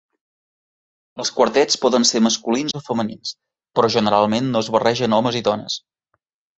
Els quartets poden ser masculins o femenins, però generalment no es barregen homes i dones.